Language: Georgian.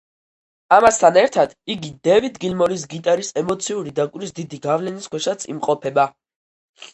ამასთან ერთად, იგი დევიდ გილმორის გიტარის ემოციური დაკვრის დიდი გავლენის ქვეშაც იმყოფება.